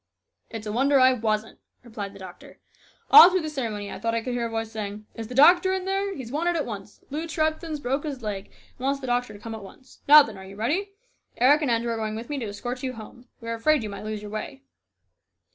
" It's a wonder I wasn't," replied the doctor. " All through the ceremony I thought I could hear a voice saying, ' Is the doctor in there ? He's wanted at once. Lew Trethven's broke his leg and wants the doctor to come at once.' Now, then, are you ready ? Eric and Andrew are going with me to escort you home. We were afraid you might lose your way."